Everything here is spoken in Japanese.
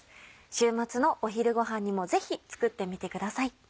週末のお昼ご飯にもぜひ作ってみてください。